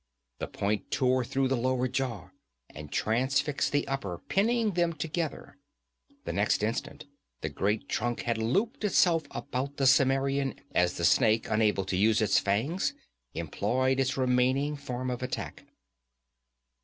The point tore through the lower jaw and transfixed the upper, pinning them together. The next instant the great trunk had looped itself about the Cimmerian as the snake, unable to use its fangs, employed its remaining form of attack.